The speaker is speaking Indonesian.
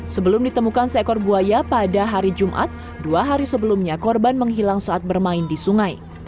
sebelum ditemukan seekor buaya pada hari jumat dua hari sebelumnya korban menghilang saat bermain di sungai